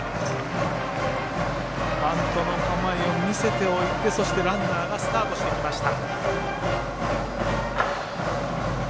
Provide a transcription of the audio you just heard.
バントの構えを見せておいてそして、ランナーがスタートしてきました。